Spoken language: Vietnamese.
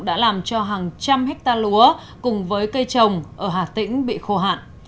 đã làm cho hàng trăm hectare lúa cùng với cây trồng ở hà tĩnh bị khô hạn